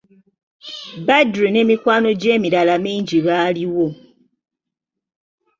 Badru ne mikwano gy'emirala mingi baaliwo.